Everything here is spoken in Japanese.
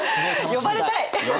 呼ばれたい！